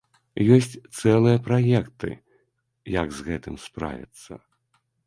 Ёсць цэлыя праекты, як з гэтым справіцца.